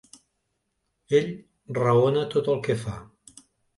Ell raona tot el que fa.